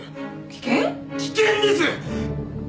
危険です！